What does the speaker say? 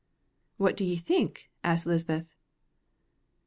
"What do ye think?" asked Lisbeth.